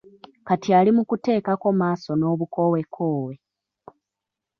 Kati ali mukuteekako maaso n'obukowekowe.